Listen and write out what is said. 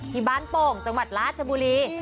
ที่บ้านโป่งจังหวัดราชบุรี